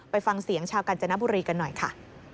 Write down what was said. ไปฟังเสียงชาวกัญจนบุรีกันหน่อยค่ะ